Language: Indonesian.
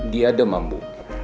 dia demam bu